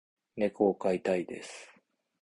猫を飼いたいです。